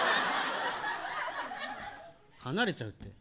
離れちゃうって。